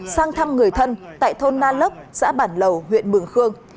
sang thăm người thân tại thôn na lốc xã bản lầu huyện mường khương